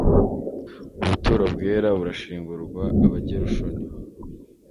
ubuturo bwera burashingurwa abagerushoni